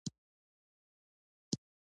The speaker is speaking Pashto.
بزګان د افغانستان د زرغونتیا نښه ده.